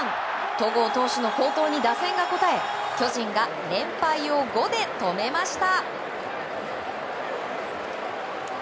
戸郷投手の好投に打線が応え巨人が連敗を５で止めました。